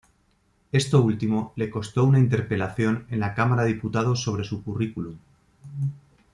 Esto último le costó una interpelación en la Cámara de Diputados sobre su currículum.